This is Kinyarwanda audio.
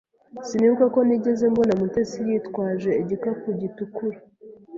Sinibuka ko nigeze mbona Mutesi yitwaje igikapu gitukura.